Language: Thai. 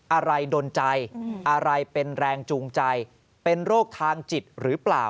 อะไรดนใจอะไรเป็นแรงจูงใจเป็นโรคทางจิตหรือเปล่า